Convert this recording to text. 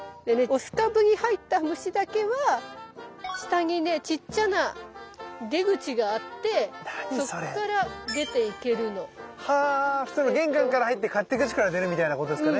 雄株に入った虫だけは下にねちっちゃな出口があってそっから出て行けるの。は玄関から入って勝手口から出るみたいなことですかね。